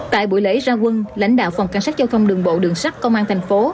tại buổi lễ ra quân lãnh đạo phòng cảnh sát giao thông đường bộ đường sắt công an tp